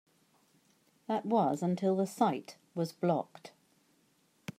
That was until the site was blocked.